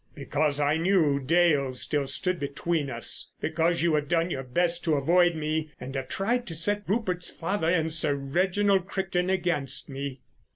"Because I knew Dale still stood between us. Because you have done your best to avoid me, and have tried to set Rupert's father and Sir Reginald Crichton against me."